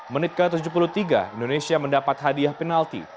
menit ke tujuh puluh tiga indonesia mendapat hadiah penalti